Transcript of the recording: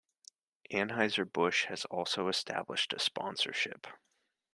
Anheuser-Busch has also established a sponsorship.